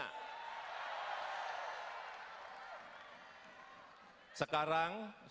harus dilakukan apapun resikonya